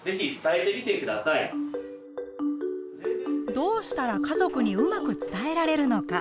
どうしたら家族にうまく伝えられるのか。